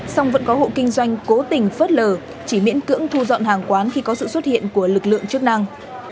song vẫn có hộ kinh doanh cố tình phớt lờ chỉ miễn cưỡng thu dọn hàng quán khi có sự xuất hiện của lực lượng chức năng